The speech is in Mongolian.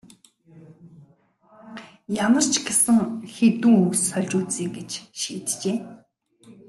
Ямар ч гэсэн хэдэн үг сольж үзье гэж шийджээ.